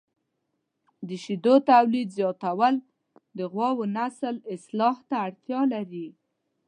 د شیدو تولید زیاتول د غواوو نسل اصلاح ته اړتیا لري.